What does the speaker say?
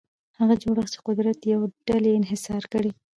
هغه جوړښت چې قدرت د یوې ډلې انحصار کړي.